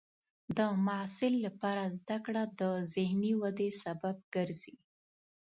د محصل لپاره زده کړه د ذهني ودې سبب ګرځي.